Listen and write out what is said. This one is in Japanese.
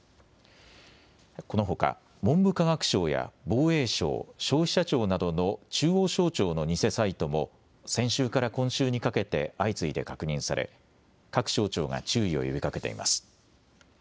このほか文部科学省や防衛省、消費者庁などの中央省庁の偽サイトも先週から今週にかけて相次いで確認され各省庁が注意を呼びかけています。